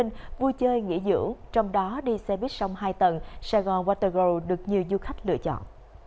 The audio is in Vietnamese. nơi nghỉ dưỡng trong đó đi xe buýt sông hai tầng sài gòn watergo được nhiều du khách lựa chọn